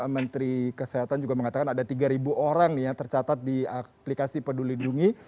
menteri kesehatan juga mengatakan ada tiga orang nih yang tercatat di aplikasi peduli lindungi